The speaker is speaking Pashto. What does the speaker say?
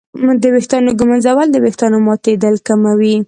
د ویښتانو ږمنځول د ویښتانو ماتېدل کموي.